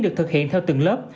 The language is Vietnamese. được thực hiện theo từng lớp